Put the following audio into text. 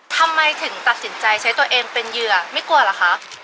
ทำไมถึงตัดสินใจใช้ตัวเองเป็นเหยื่อไม่กลัวเหรอคะ